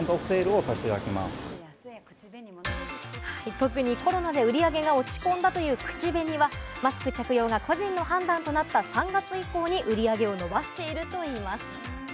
特にコロナで売り上げが落ち込んだという口紅はマスク着用が個人の判断となった３月以降に売り上げを伸ばしているといいます。